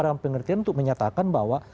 dalam pengertian untuk menyatakan bahwa